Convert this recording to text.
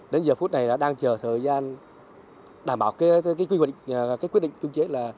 đến giờ phút này là đang chờ thời gian đảm bảo cái quyết định chung chế là